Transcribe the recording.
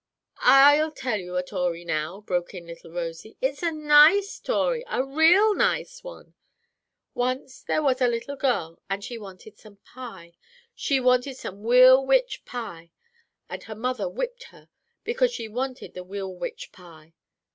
"I'll tell you a 'tory now," broke in little Rosy. "It's a nice 'tory, a real nice one. Once there was a little girl, and she wanted some pie. She wanted some weal wich pie. And her mother whipped her because she wanted the weal wich pie.